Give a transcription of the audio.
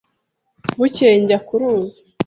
Bukeye, njya ku ruzi.